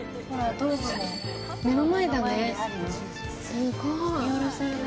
すごいね。